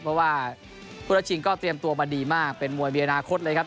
เพราะว่าผู้รับชิงก็เตรียมตัวมาดีมากเป็นมวยมีอนาคตเลยครับ